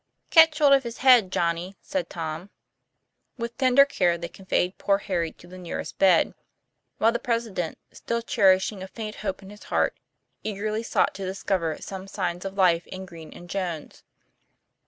;< Catch hold of his head, Johnny," said Tom. With tender care, they conveyed poor Harry to the nearest bed; while the president, still cherishing a faint hope in his heart, eagerly sought to discover some signs of life in Green and Jones.